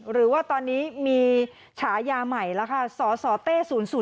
หรือว่าตอนนี้มีฉายาใหม่แล้วค่ะสสเต้๐๐